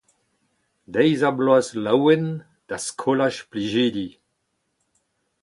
Deiz-ha-bloaz laouen da skolaj Plijidi !